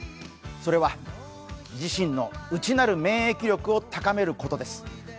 それは、自身の内なる免疫力を高めることです。